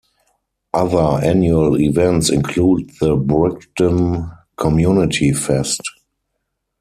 Other annual events include the Brigden Community Fest.